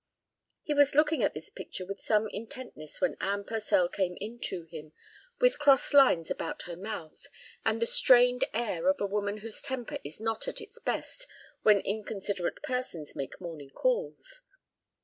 He was looking at this picture with some intentness when Anne Purcell came in to him, with cross lines about her mouth, and the strained air of a woman whose temper is not at its best when inconsiderate persons make morning calls.